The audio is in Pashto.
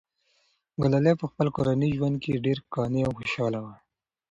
ګلالۍ په خپل کورني ژوند کې ډېره قانع او خوشحاله وه.